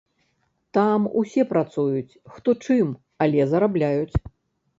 Там усе працуюць, хто чым, але зарабляюць.